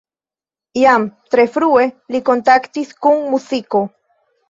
Jam tre frue li kontaktis kun muziko.